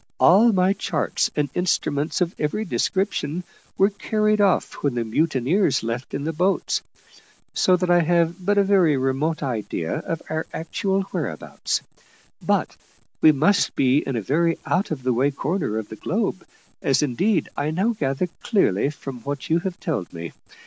All my charts and instruments of every description were carried off when the mutineers left in the boats, so that I have but a very remote idea of our actual whereabouts, but we must be in a very out of the way corner of the globe, as indeed I now gather clearly from what you have told me.